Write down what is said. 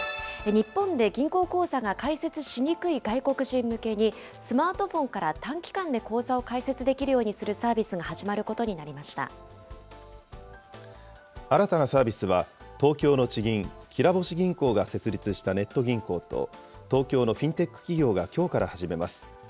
日本で銀行口座が開設しにくい外国人向けに、スマートフォンから短期間で口座を開設できるようにするサービスが始まることになり新たなサービスは、東京の地銀、きらぼし銀行が設立したネット銀行と東京のフィンテック企業がきょうから始めます。